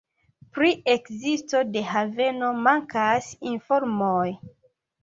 Pri ekzisto de haveno mankas informoj.